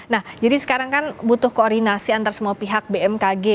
nah jadi sekarang kan butuh koordinasi antara semua pihak bmkg